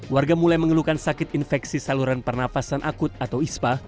warga mulai mengeluhkan sakit infeksi saluran pernafasan akut atau ispa